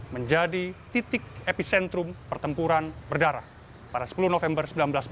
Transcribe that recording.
menjadi titik epicentrum pertempuran berdarah pada sepuluh november seribu sembilan ratus empat puluh